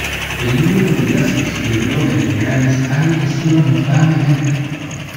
El número de hallazgos de drogas ilegales ha decrecido notablemente.